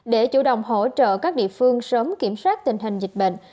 để chủ động hỗ trợ các địa phương sớm kiểm soát tình hình dịch bệnh